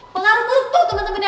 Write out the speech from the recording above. pengaruh buruk tuh teman teman dia